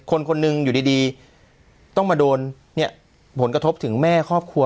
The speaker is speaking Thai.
คนคนหนึ่งอยู่ดีต้องมาโดนเนี่ยผลกระทบถึงแม่ครอบครัว